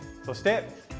そして。